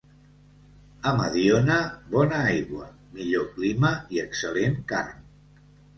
A Mediona, bona aigua, millor clima i excel·lent carn.